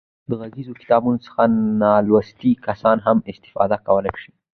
د غږیزو کتابونو څخه نالوستي کسان هم استفاده کولای شي.